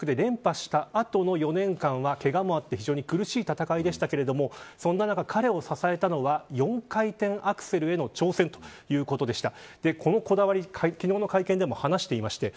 特に平昌オリンピックで連覇した後の４年間はけがもあって非常に苦しい戦いでしたが、そんな中、彼を支えたのは４回転アクセルへの挑戦ということでした。